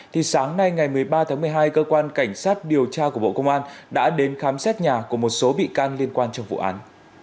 thì sáng nay ngày một mươi ba tháng một mươi hai cơ quan cảnh sát điều tra của bộ công an đã đến khám xét nhà của một số bị can liên quan trong vụ án